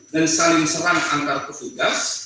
dan saling serang antar petugas